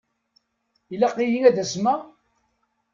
Ilaq-iyi ad asmeɣ?